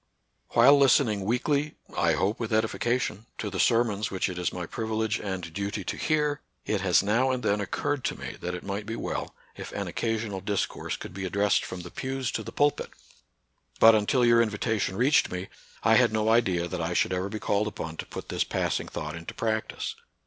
While listening weekly — I hope with edifi cation ^ to the sermons which it is my privilege and duty to hear, it has now and then occurred to me that it might be well if an occasional dis course could be addressed from the pews to the pulpit. But, until your invitation reached me, I had no idea that I should ever be called upon to put this passing thought into practice.